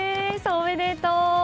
おめでとう！